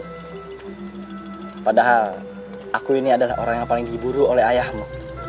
hai padahal aku ini adalah orang yang paling diburu oleh ayahmu